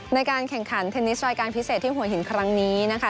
ในการแข่งขันเทนนิสรายการพิเศษที่หัวหินครั้งนี้นะคะ